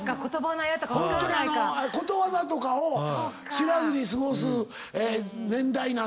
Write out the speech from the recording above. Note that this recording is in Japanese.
ホントにことわざとかを知らずに過ごす年代なのよ。